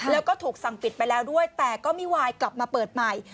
แล้วก็ถูกสั่งปิดไปแล้วด้วยแต่ก็ไม่วายกลับมาเปิดใหม่